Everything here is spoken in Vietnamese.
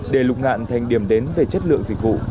để lục ngạn thành điểm đến về chất lượng dịch vụ